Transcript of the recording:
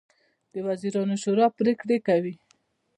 د وزیرانو شورا پریکړې کوي